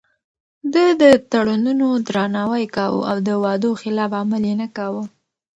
ده د تړونونو درناوی کاوه او د وعدو خلاف عمل يې نه کاوه.